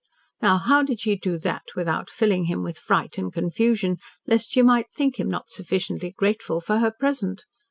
Now, how did she do that without filling him with fright and confusion, lest she might think him not sufficiently grateful for her present?